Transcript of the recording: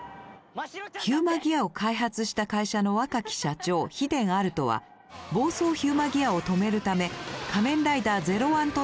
ヒューマギアを開発した会社の若き社長飛電或人は暴走ヒューマギアを止めるため仮面ライダーゼロワンとなって戦います。